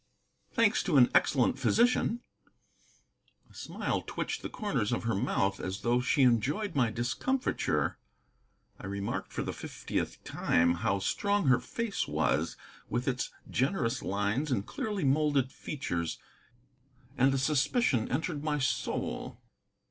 "Thanks to an excellent physician." A smile twitched the corners of her mouth, as though she enjoyed my discomfiture. I remarked for the fiftieth time how strong her face was, with its generous lines and clearly moulded features. And a suspicion entered my soul.